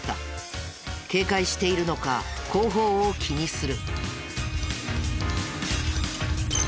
警戒しているのか後方を気にする。